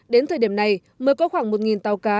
đến thời điểm này mới có khoảng một tàu cá